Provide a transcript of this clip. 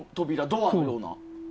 ドアのような。